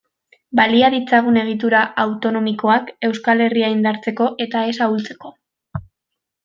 Balia ditzagun egitura autonomikoak Euskal Herria indartzeko eta ez ahultzeko.